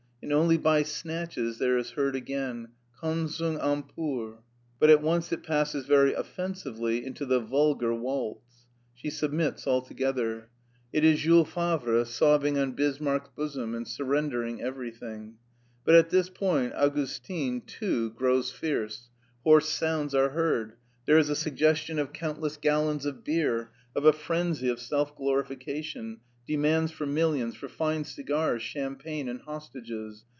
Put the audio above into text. And only by snatches there is heard again: "Qu'un sang impur..." But at once it passes very offensively into the vulgar waltz. She submits altogether. It is Jules Favre sobbing on Bismarck's bosom and surrendering every thing.... But at this point Augustin too grows fierce; hoarse sounds are heard; there is a suggestion of countless gallons of beer, of a frenzy of self glorification, demands for millions, for fine cigars, champagne, and hostages.